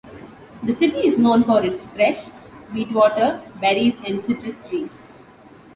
The city is known for its fresh, sweet water, berries and citrus trees.